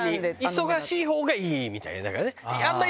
忙しいほうがいいみたいなね。